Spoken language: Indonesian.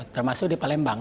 termasuk di palembang